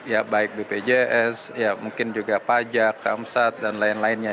ya baik bpjs ya mungkin juga pajak samsat dan lain lainnya